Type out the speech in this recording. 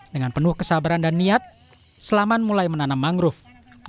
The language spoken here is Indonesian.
dengan penuh kesabaran dan niat selamat mulai menanam mangrove